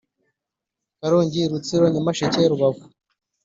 Karongi Rutsiro Nyamasheke rubavu